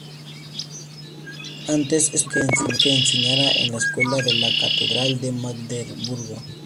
Antes, es probable que enseñara en la escuela de la catedral de Magdeburgo.